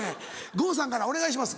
郷さんからお願いします